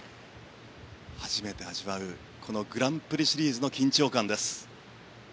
初めて味わうグランプリシリーズの緊張感です。